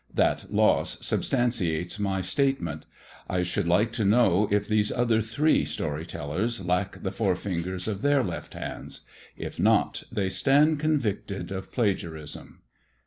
That loss substantiates my statement. I should like to know if those other three story tellers lack the forefingers of their left hands. If not, they stand convicted of plagiarism.